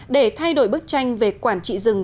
để thay đổi bức tranh về quản trị rừng